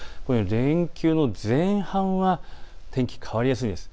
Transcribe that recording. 連休の前半は天気、変わりやすいんです。